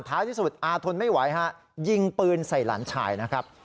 ท้ายที่สุดอาทนไม่ไหวฮะยิงปืนใส่หลานชายนะครับ